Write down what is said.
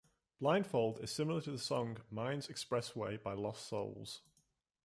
"Blindfold" is similar to the song "Mind's Expressway" by Lost Souls.